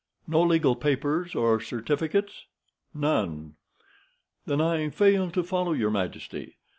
"No legal papers or certificates?" "None." "Then I fail to follow your majesty.